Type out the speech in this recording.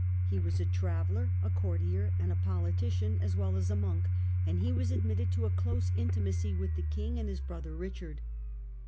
He was a traveller, a courtier, and a politi cian as well as a monk, and he was admitted to a close intimacy with the king and his brother Richard.